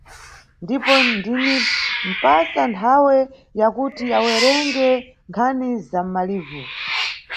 Ndipo ndinimʼpasa nthawe ya kuti awerenge nkhani za mʼmalivu.